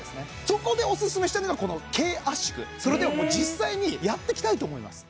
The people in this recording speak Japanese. そこでおすすめしたいのがこの軽圧縮それではもう実際にやってきたいと思います